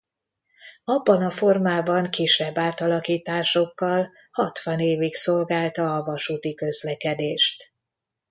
Abban a formában kisebb átalakításokkal hatvan évig szolgálta a vasúti közlekedést.